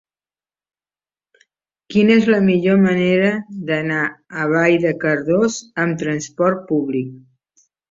Quina és la millor manera d'anar a Vall de Cardós amb trasport públic?